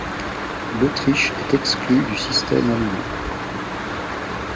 L'Autriche est exclue du système allemand.